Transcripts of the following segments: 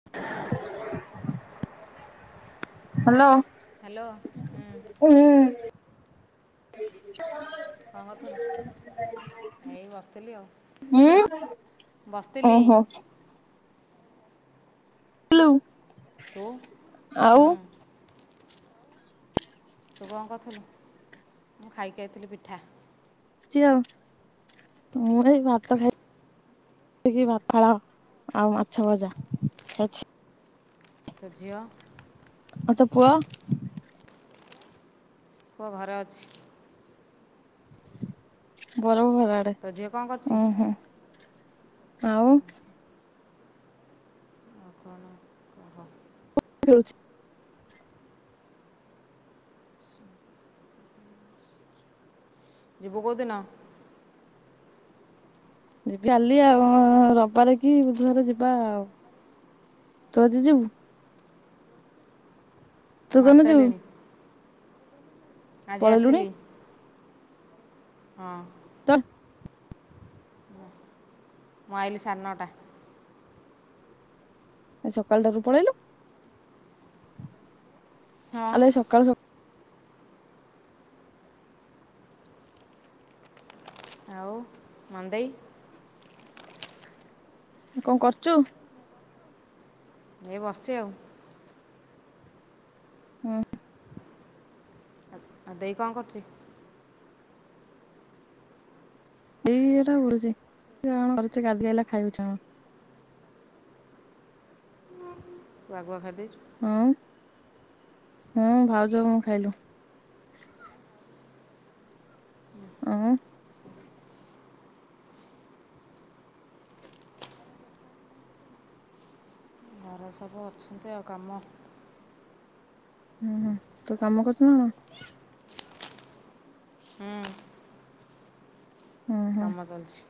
[inaudible] Hello. Hello ହୁଁ। ହୁଁ। କଣ କରୁଥିଲୁ ଏଇ ବସିଥିଲି ଆଉ। ଉଁ। ବସିଥିଲି। ଲୁ। ତୁ। ଆଉ। ହୁଁ ତୁ କଣ କରୁଥିଲୁ? ମୁଁ ଖାଇକି ଆଇଥିଲି ପିଠା। ଚି ଆଉ ମୁଁ ଏଇ ଭାତ ଖାଇ କି ପଖାଳ ଆଉ ମାଛ ଭଜା ଖାଇଛି। ତୋ ଝିଅ? ଆଉ ତୋ ପୁଅ? ପୁଅ ଘରେ ଅଛି। ବଡ ବୋଉ ଘର ଆଡେ ତୋ ଝିଅ କ'ଣ କରୁଛି ଉହୁଁ ଆଉ। ଆଉ କ'ଣ କହ ଖେଳୁଛି। ଯିବୁ କୋଉଦିନ? ଯିବି କାଲି ଆଉ ରବିବାରେ କି ବୁଧବାର ଯିବା ଆଉ। ତୁ ଆଜି ଯିବୁ? ତୁ ମୁଁ କୋଉଦିନ ଯିବୁ ଆସିସାରିଲିଣି ଆଜି ପଳେଇଲୁଣି ଆସିଲି। ହଁ। ତୋର ମୁଁ ଆଇଲି ସାଢ଼େ ନଅଟା। ଆ ସକାଳୁଟାରୁ ପଳେଇଲୁ। ହଁ ଆଲୋ ଏଇ ସକାଳୁ ଆଉ ମାନୁ ଦେଇ? କଣ କରୁଛୁ? ଏ ବସିଛି ଆଉ। ହଁ। ଆଉ ଦେଇ କଣ କରୁଛି? ଦେଇ ଏଟା ବୁଲୁଛି। କଣ କରୁଚି ଗାଧେଇକି ଆଇଲା ଖାଇ ବଇଚି ନା କଣ। ତା ଆଗୁଆ ଖାଇଦେଇଛୁ। ହଁ ହଁ ଭାଉଜ ମୁଁ ଖାଇଲୁ। ଆଉଁ। ଘରେ ସବୁ ଅଛନ୍ତି ଆଉ କାମ। ଉଁହୁଁ ତୁ କାମ କରୁଛୁ ନା କଣ? ହୁଁ। ହୁଁ ହୁଁ କାମ ଚାଲୁଛି।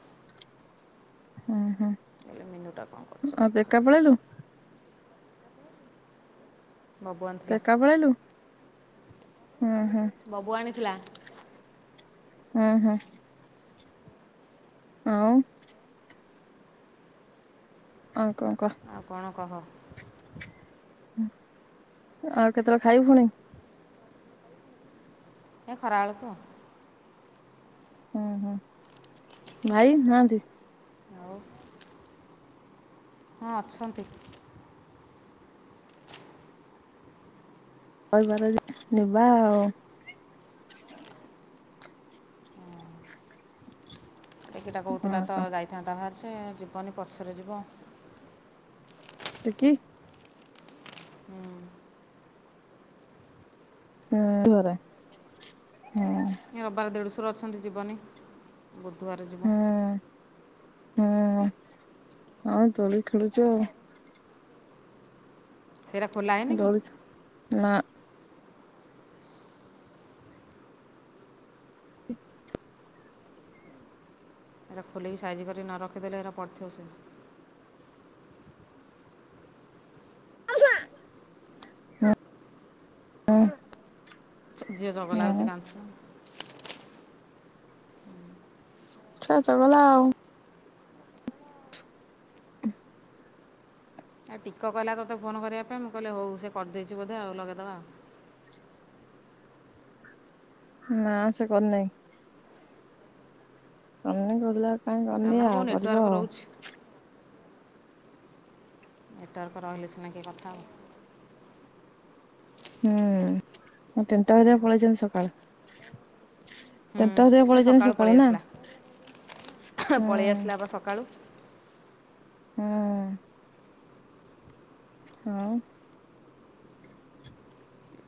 ଓ ହୋ। ମିନୁଟ କଣ କରଚ୍ଚ କଥା? ବବୁ ତ ଆଣିଥିଲା ଏକା ପଳେଇଲୁ। ହୁଁ ହୁଁ। ବବୁ ଆଣିଥିଲା। ହୁଁ ହୁଁ। ଆଉ। ଆଉ କଣ କହ? ଆଉ କଣ କହ? ଆଉ କେତେବେଳେ ଖାଇବୁ ପୁଣି? ଏ ଖରାବେଳ ତ ହୁଁ ହୁଁ ଭାଇ ନାହାନ୍ତି। ଆଉ ହଁ ଅଛନ୍ତି। କହିବାର ଯିବା ଆଉ। ଟିକିଟା କହୁଥିଲା ଆଉ ତ କଣ ଯାଇଥାନ୍ତା ବାହାରେ ସେ ଯିବନି ପଛରେ ଯିବ। ଟିକି ହୁଁ। [unintelligible] ହୁଁ। ଏ ରବିବାର ଦେଢୁଶୁର ଅଛନ୍ତି ଯିବନି ବୁଧବାର ଯିବ। ହୁଁ ହୁଁ ହଉ ଦୋଳି ଖେଳୁଛ ଆଉ। ସେଇଟା ଖୋଲା ହେଇନି କି ଦୋଳି ନା ଏଇରା ଖୋଲିକି ସାଇଜ କରିକି ନ ରଖିଦେଲେ ଏଇରା ପଡ଼ିଥିବ ସେଇନ୍ତି। ହୁଁ ହଁ ଝିଅ ଜଗଲା ହଉଛି କାନ୍ଦୁଛି। ଆଉ ଚଗଲା ଗଲା ଆଉ। [unintelligible] ଆଉ ଟିକ କଲା ତୋତେ ଫୋନ କରିବା ପାଇଁ ମୁଁ କହିଲେ ହଉ ସେ କରିଦେଇଛି ବୋଧେ ଆଉ ଲଗେଇଦେବା ଆଉ। ନା ସେ କରିନାହିଁ। କନି କରିଲ କାଇହିଁ କରିନି ଆମର କେଉଁ ଆଉ ନେଟୱାର୍କ କରିବ ଆଉ ରହୁଛି ନେଟୱାର୍କ ରହିଲେ ସିନା କିଏ କଥା ହେବ? ହୁଁ ମୁ ତିନିଟା ବଜାର ପଳେଇଛନ୍ତି ସକାଳ। ଟେଷ୍ଟ ହରକତ ସେ ପଳେଇଛନ୍ତି ପଳେଇ ସକାଳୁ ନା ଆସିଲା ହୁଁ। ହେବ ସକାଳୁ। ହୁଁ। ହଁ।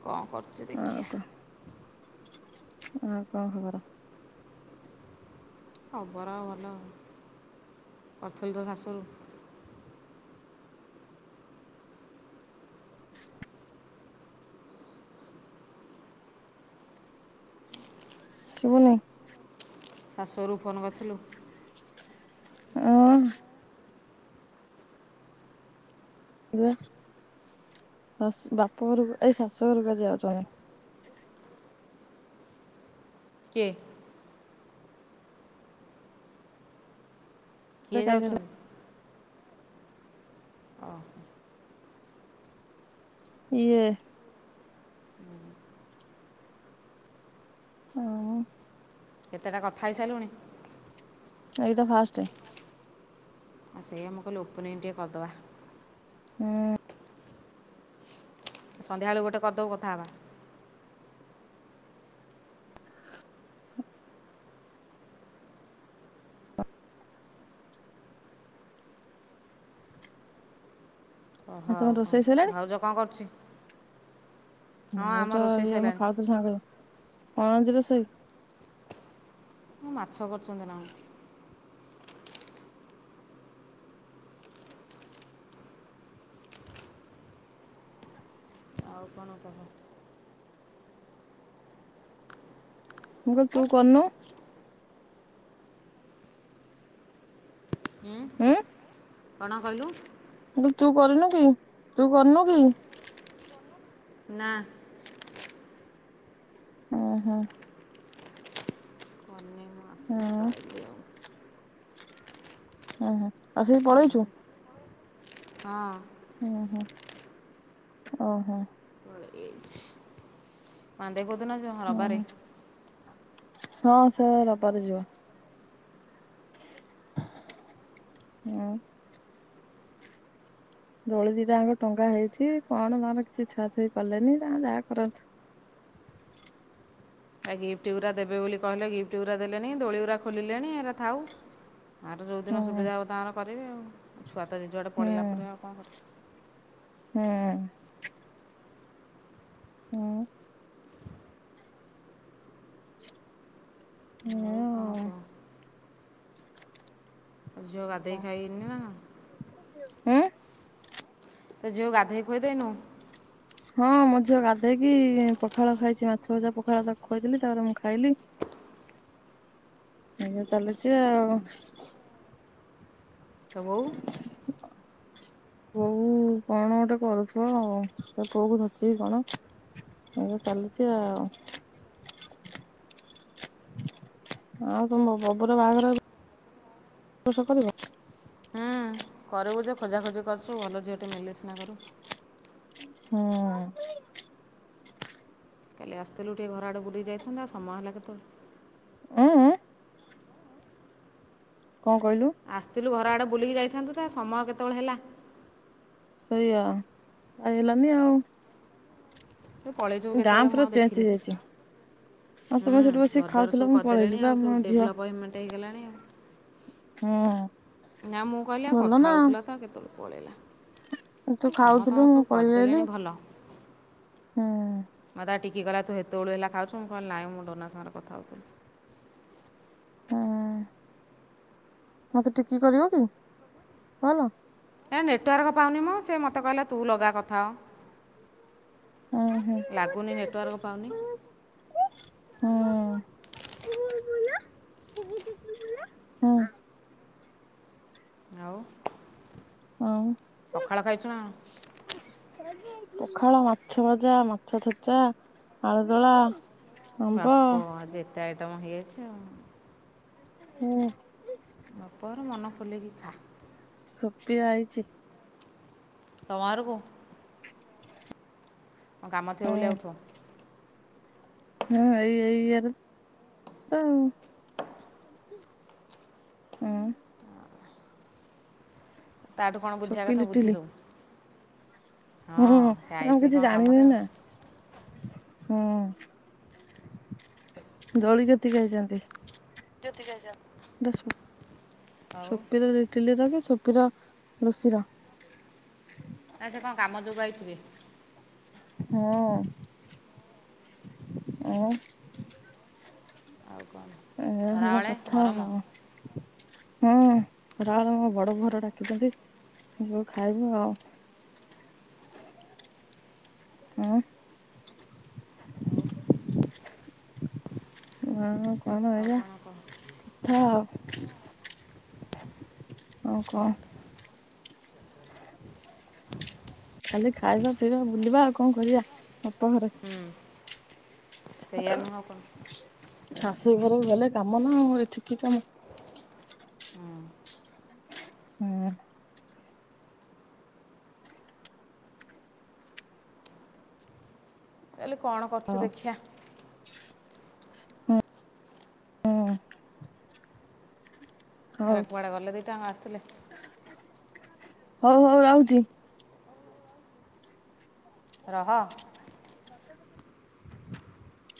କଣ କରୁଛି ଆଉ ଦେଖିବା? କଣ ଆଉ କଣ ଖବର? ଖବର ଆଉ ଭଲ ପ୍ରଚଲ ତ ଶାଶୁରୁ। ଶବୁନି। ଶାଶୁରୁ ଫୋନ୍ କରିଥିଲୁ। ଆଁ। ଶ ବାପ ଘରକୁ ଏଇ ଶାଶୁ ଘରକୁ ଯ ଯାଉଛନ୍ତି। କିଏ? ସେ କିଏ କାଲି ଆଡୁ ଯାଉଛନ୍ତି? ଓହୋ। ଇଏ। ହୁଁ। ଥାଉ। କେତେଟା କଥା ହେଇସାରିଲୁଣି? ଏଇ ତ ଫାଷ୍ଟ। ସେଇା ମୁ କହିଲ ଓପନିଂ ଟିକେ କରିଦବା। ହଁ। ସନ୍ଧ୍ୟାବେଳକୁ ଗୋଟେ କରିଦବୁ କଥା ହବା। ଓ ଆଉ ତମ ହଉ କଣ ରୋଷେଇ ସଇଲାଣି? ଭାଉଜ କଣ କରୁଛି? ହଁ ଆମ ଭାଉଛ ରୋଷେଇ ଇଏ ମୁଁ ସରିଲାଣି ଖାଉଥିଲି ସାଙ୍ଗ ହେଇ କଣ ଆଜି ରୋଷେଇ? ମୁଁ ମାଛ କରୁଛନ୍ତି ନା କଣ। ଆଉ କଣ କହ? ମୁ କହିଲି ତୁ କରନୁ। ହମ୍ ଉଁ କଣ କହିଲୁ? ତୁ କରିନୁ କି ତୁ କରିନୁ କି? ନା। ଓ ହୋ। କରିନି ମୁଁ ଉଁ ଆସିକି ତ ଆଇଲି ଆଉ। ହୁଁ ହୁଁ ଆସିକି ପଳେଇଛୁ? ହଁ। ନା ହା ଓହୋ। ପକେଇ ଆଈଛି ପାଣ୍ଡେ କୋଉଦିନ ଯିବ ଉଁ ରବାରେ? ହୁଁ ହଁ ସେ ରବାରେ ଯିବା। ହଁ। ଦୋଳି ଦିଟାଙ୍କ ଟଙ୍ଗା ହେଇଛି କଣ ତାର କିଛି ଛୁଆ ଛୁଇ କଲେନି ତା ଯାହା କରନ୍ତୁ। ଆ ଗିଫ୍ଟ ଗୁରା ଦେବେ ବୋଲି କହିଲେ ଗିଫ୍ଟ ଗୁରା ଦେଲେଣି ଦୋଳିଗୁରା ଖୋଲିଲେଣି ଏରା ଥାଉ। ଆର ଯୋଉଦିନ ହୁଁ ସୁବିଧା ହେବ ତାର କରିବେ ଆଉ ଛୁଆ ତ ଯେ ଯୁଆଡେ ହୁଁ ପଳେଇଲା ପରେ ଆଉ କଣ କରିବ। ହୁଁ। ହୁଁ। ହୁଁ କ'ଣ ଆଉ କହ ଝିଅ ଗାଧୋଇ ଖାଇନି ନା କଣ? ହୁଁ? ତୁ ଝିଅକୁ ଗାଦେଇ ଖୁଏଇ ଦେଇନୁ? ହଁ ମୁଁ ଝିଅ ଗାଧେଇକି ପଖାଳ ଖାଇଛି ମାଛ ଭଜା ପଖାଳ ତାକୁ ଖୁଆଇ ଥିଲି ତାପରେ ମୁଁ ଖାଇଲି। ଆଜ୍ଞା ଚାଲଛି ଆଉ। ତ ବହୋ? ବହୋ କଣ ଗୋଟେ କରୁଥିବ ଆଉ ସେ ପୁଅ କୁ ଧରିଚି କି କଣ। ଏମିତି ଚାଲିଛି ଆଉ। ଆଉ ତୁମ ବବୋର ବାହାଘର ଏବର୍ଷ କରିବ? ହୁଁ କରିବୁ ଯେ ଖୋଜାଖୋଜି କରୁଛୁ ଭଲ ଝିଅଟେ ମିଳିଲେ ସିନା କରୁ ହଁ। କାଲି ଆସିଥିଲୁ ଟିକେ ଘର ଆଡ଼େ ବୁଲି ଯାଇତାନ୍ତା ଆ ସମୟ ହେଲା କେତେଵେଳୁ। ଉଁ ଉଁ। କଣ କହିଲୁ? ଆସିଥିଲୁ ଘର ଆଡ଼େ ବୁଲିକି ଯାଇଥାନ୍ତୁ ତ ସମୟ କେତେବେଳେ ହେଲା। ସେଇଆ ଯାଇହେଲାନି ଆଉ। ତୁ ପଳେଇଛୁ କେତେବେଳେ ଦ୍ୟାମ ମୁଁ ପୁରା ଆଉ ଚେଞ୍ଜ ଦେଖିନି ହେଇଯାଇଛି। ଆଉ ହୁଁ ତମେ ସେଠୁ ବସିି ଘରଦ୍ୱାର ସବୁ ଖାଉଥିଲ ମୁଁ କରିଦେଲେଣି ପଳେଇଲି ଆଉ ବା ସବୁ ମୋ ଝିଅ ଡେଭଲପମେଣ୍ଟ ହେଇଗଲାଣି ଆଉ ହଁ। ନା ମୁଁ କହିଲି ଆଉ କଥା ହେଉଥିଲା ତ କେତେବେଳେ ପଳେଇଲା। ତୁ ଏ ସମସ୍ତଙ୍କର ଖାଉଥିଲୁ ସବୁ ମୁଁ କରିଦେଲେଣି ପଳେଇଆଇଲି। ଭଲ ହଁ। ମୋତେ ଟିକି କହିଲା ତୁ ହେତେବେଳୁ ହେଲା ଖାଉଚୁ ମୁଁ କହିଲି ନାଇଁ ଡୋନା ସାଙ୍ଗରେ କଥା ହୋଉଥିଲି। ହଁ। ମତେ ଟିକି କରିବ କି କଲ। ଏ ନେଟୱାର୍କ ପାଉନି ମ ସେ ମୋତେ କହିଲା ତୁ ଲଗା କଥା ହ। ହଁ ହଁ। ଲାଗୁନି ନେଟୱାର୍କ ପାଉନି। ହୁଁ। ହୁଁ ଆଉ। ଆଉ। ପଖାଳ ଖାଇଚୁ ନା କଣ। ପଖାଳ ମାଛ ଭଜା ମାଛ ଛେଚା ଆଳୁଦଳା। ଆମ୍ବ ବାପ ଆଜି ଏତେ ଆଇଟମ୍ ହେଇଯାଇଚି ଆଉ। ହୁଁ। ବାପ ଘର ମନ ଖୋଲିକି ଖା। ସୁପି ଆଇଚି। ତମ ଘରକୁ। କଣ କାମ ଥିବ ବୋଲି ହୁଁ ଆଉଥୁବ। ହୁଁ ଏଇ ଏଇ ଇ ଏ ରେ ତ ଆଉ। ହୁଁ [inaudible] ତାଠୁ କଣ ବୁଝିବା ସୋପି କଥା ବୁଝିଦବୁ। ହଁ କାରଣ ମୁଁ କିଛି ଜାଣିନି ଆଉ ନା। ହୁଁ ଦୋଳି କତିକି ଆଇଚନ୍ତି। ଜ୍ୟୋତିକାଜ। ଦସୁ ସୋପିର ଥିଲିତାଲେ କି ସୋପିର ଲୋଷିର। ଆଛା କଣ କାମ ଯୋଗୁ ଆଇଥିବେ। ହୁଁ ଉଁ। ଆଉ କଣ ଏୟା ହେଲା ଖରାବେଳେ କଥା ଗରମ ଆଉ। ହଁ ର ର ମୁଁ ବଡ ବୋଉ ଘର ଡାକିଚନ୍ତି ଯିବୁ ଖାଇବୁ ଆଉ। ଉଁ। ହଁ କଣ ଆଉ ଏଇରା। କହ ଥା ଆଉ କଣ। ଖାଲି ଖାଇବା ପିଇବା ବୁଲିବା ଆଉ କଣ କରିବା ବାପ ଘରେ। ସେଇଆ ନୁହଁ ଆଉ କଣ। ଶାଶୁ ଘରକୁ ଗଲେ କାମ ନା ଆଉ ଏଠି କି କାମ। ହୁଁ। କାଲି କଣ କରୁଚି ହଉ ଦେଖିଆ। ହୁଁ ହଉ ଆରେ କୁଆଡ଼େ ଗଲେ ଦିଟା ଙ୍କ ଆସୁଥିଲେ। ହଉ ହଉ ରହୁଚି। ରହ।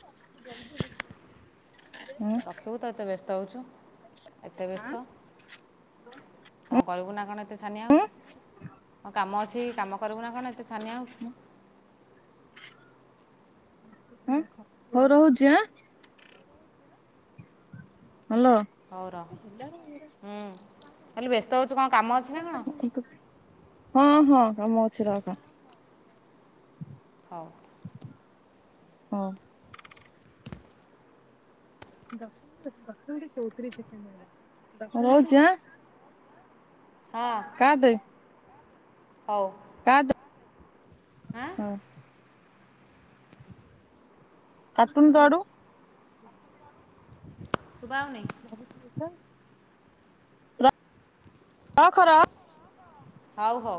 ଆ ଗମ [inaudible] ରଖିବୁ ତ ଏତେ ବ୍ୟସ୍ତ ହେଉଚୁ ଏତେ ବ୍ୟସ୍ତ। କଣ କରିବୁ ନା କଣ ଏତେ ଛାନିଆ ହୋଉଚୁ। କଣ କାମ ଅଛି କାମ କରିବୁ ନା କଣ ଏତେ ଛାନିଆ ହଉଚୁ। ହୁଁ। ହୋଉ ରହୁଚି ଆଁ। ହ୍ୟାଲୋ। ହୋଉ ର ହୁଁ ଖାଲି ବ୍ୟସ୍ତ ହେଉଚୁ କଣ କାମ ଅଛି ନା କଣ। ହଁ ହଁ କାମ ଅଛି ରଖ। ହଁ। ହଁ। ଦଶ ଦଶ ମିନିଟ୍ ଚଉତିରିଶ ସେକଣ୍ଡ ହେଲା ହଉ ଯା ହଁ। କା ଦେ ହଉ। କାଟେ। ହାଁ। ହଁ କାଟୁନୁ ତୋ ଆଡ଼ୁ ଶୁଭାଯାଉନି ର ରଖ ର ହଉ ହଉ।